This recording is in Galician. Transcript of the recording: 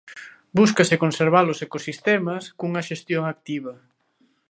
Búscase conservar os ecosistemas cunha xestión activa.